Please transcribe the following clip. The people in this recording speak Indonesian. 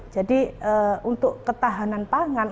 jadi untuk ketahanan pangan